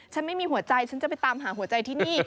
ไม่มีหัวใจฉันจะไปตามหาหัวใจที่นี่